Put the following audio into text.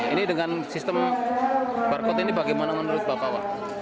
ini dengan sistem barcode ini bagaimana menurut bapak